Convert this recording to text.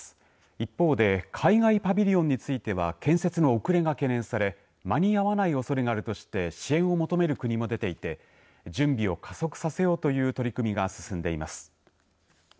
一方で海外パビリオンについては建設の遅れが懸念され間に合わないおそれがあるとして支援を求める国も出ていて準備を加速させようという取り組みが進んでいます。